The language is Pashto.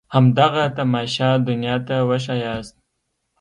همدغه تماشه دنيا ته وښاياست.